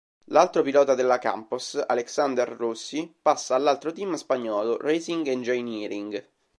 L'altro pilota della Campos, Alexander Rossi, passa all'altro team spagnolo Racing Engineering.